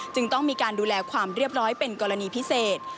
จึงต้องมีการดูแลความเรียบร้อยเป็นกรณีพิเศษ